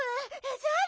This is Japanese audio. じゃあね！